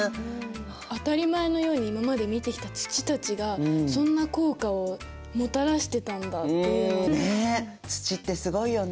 当たり前のように今まで見てきた土たちがそんな効果をもたらしてたんだっていうのが。ね！